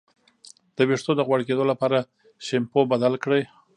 د ویښتو د غوړ کیدو لپاره شیمپو بدل کړئ